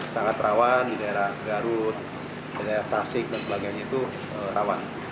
sangat rawan di daerah garut di daerah tasik dan sebagainya itu rawan